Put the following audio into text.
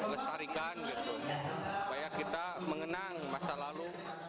barang barang yang perlu dikitarikan supaya kita mengenang masa lalu